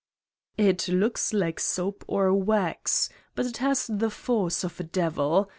'* It looks like soap or wax. But it has the force of a devil.